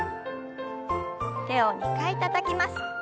手を２回たたきます。